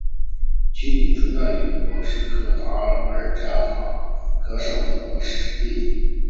其仅存在于哥斯达黎加卡塔戈省的模式产地。